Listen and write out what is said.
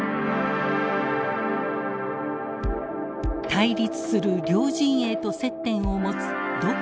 対立する両陣営と接点を持つ独自の外交。